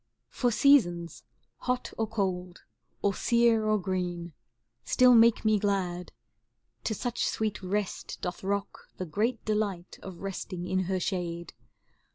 For seasons hot or cold, or sere or green, ^ Still make me glad, to such sweet rest doth rock The great delight of resting in her shade.